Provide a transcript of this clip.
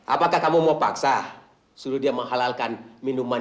apakah kamu mau paksa